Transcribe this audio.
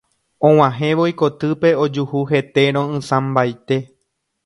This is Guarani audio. Og̃uahẽvo ikotýpe ojuhu hete ro'ysãmbaite.